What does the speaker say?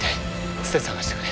ツテ探してくれ。